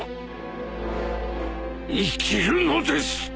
生きるのです！